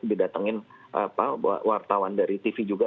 didatengin wartawan dari tv juga